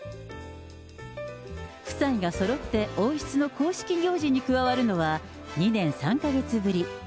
夫妻がそろって王室の公式行事に加わるのは、２年３か月ぶり。